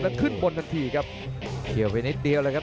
แล้วขึ้นบนทันทีครับเกี่ยวไปนิดเดียวเลยครับ